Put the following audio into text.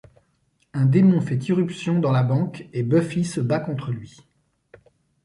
Un démon fait irruption dans la banque et Buffy se bat contre lui.